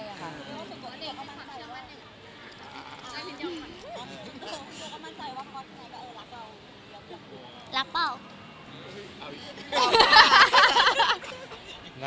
รับเปล่า